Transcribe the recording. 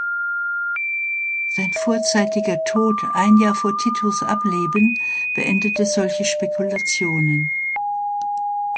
Sein vorzeitiger Tod ein Jahr vor Titos Ableben beendete solche Spekulationen.